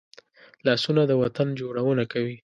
لاسونه د وطن جوړونه کوي